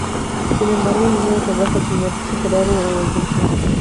Sin embargo, el número de bajas del Norte superaron a las del Sur.